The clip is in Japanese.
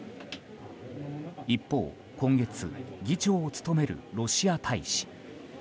一方、今月議長を務めるロシア大使。